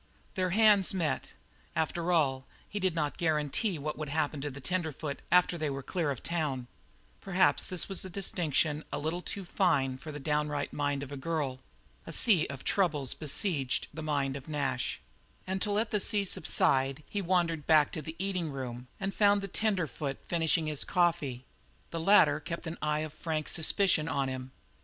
Their hands met. After all, he did not guarantee what would happen to the tenderfoot after they were clear of the town. But perhaps this was a distinction a little too fine for the downright mind of the girl. A sea of troubles besieged the mind of Nash. And to let that sea subside he wandered back to the eating room and found the tenderfoot finishing his coffee. The latter kept an eye of frank suspicion upon him.